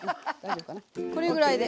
これぐらいで。